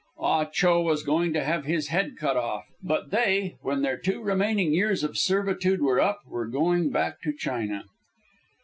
Ah Cho was going to have his head cut off, but they, when their two remaining years of servitude were up, were going back to China.